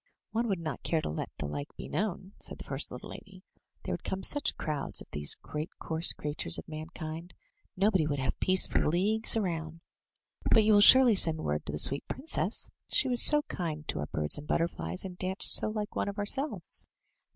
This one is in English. "One would not care to let the like be known," said the first i8 THROUGH FAIRY HALLS little lady, "there would come such crowds of these great coarse creatures of mankind, nobody would have peace for leagues round. But you will surely send word to the sweet princess! — she was so kind to our birds and butterflies, and danced so like one of ourselves